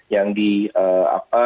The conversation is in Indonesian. yang di apa